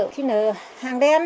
khi nào hàng đen